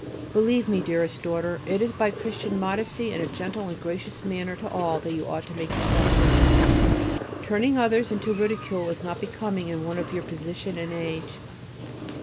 Believe me, dearest daughter, it is by Christian modesty and a gentle and gracious manner to all that you ought to make yourself known. Turning others into ridicule is not becoming in one of your position and age.